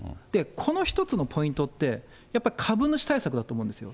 この一つのポイントって、やっぱ株主対策だと思うんですよ。